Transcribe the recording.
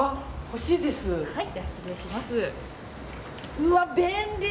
うわ、便利！